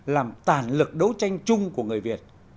làm tàn lực đấu tranh chung của người việt